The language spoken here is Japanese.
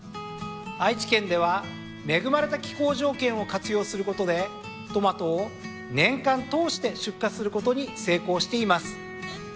愛知県では恵まれた気候条件を活用することでトマトを年間通して出荷することに成功しています。